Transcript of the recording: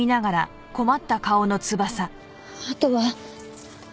あとは。